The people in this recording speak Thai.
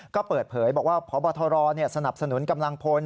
ก็เปิดเผยบอกว่าพบทรสนับสนุนกำลังพล